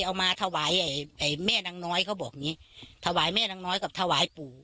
เอามาถวายไอ้แม่นางน้อยเขาบอกอย่างงี้ถวายแม่นางน้อยกับถวายปู่